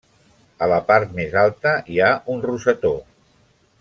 A la part més alta hi ha un rosetó.